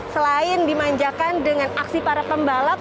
selain dimanjakan dengan aksi para pembalap